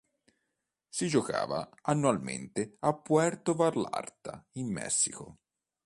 Si giocava annualmente a Puerto Vallarta in Messico.